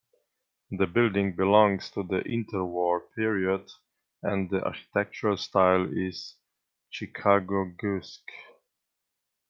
The building belongs to the interwar period and the architectural style is Chicagoesque.